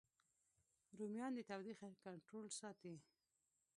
رومیان د تودوخې کنټرول ساتي